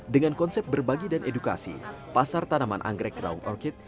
dengan konsep berbagi dan edukasi pasar tanaman anggrek raung orchid